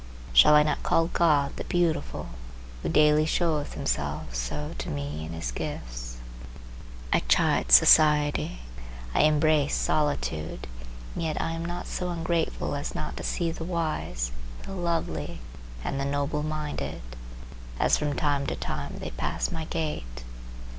Shall I not call God the Beautiful, who daily showeth himself so to me in his gifts? I chide society, I embrace solitude, and yet I am not so ungrateful as not to see the wise, the lovely and the noble minded, as from time to time they pass my gate.